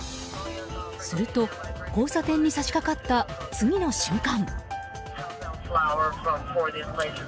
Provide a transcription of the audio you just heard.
すると、交差点に差し掛かった次の瞬間。